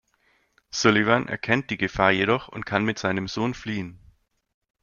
Sullivan erkennt die Gefahr jedoch und kann mit seinem Sohn fliehen.